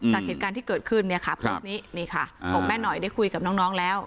จากเหตุการณ์ที่เกิดขึ้นเนี่ยค่ะโพสต์นี้นี่ค่ะของแม่หน่อยได้คุยกับน้องแล้ว